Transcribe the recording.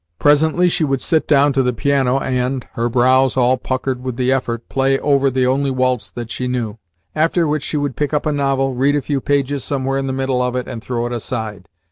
Presently, she would sit down to the piano and, her brows all puckered with the effort, play over the only waltz that she knew; after which she would pick up a novel, read a few pages somewhere in the middle of it, and throw it aside.